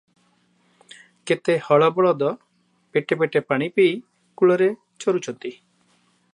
କେତେ ହଳ ବଳଦ ପେଟେ ପେଟେ ପାଣିପିଇ କୂଳରେ ଚରୁଛନ୍ତି ।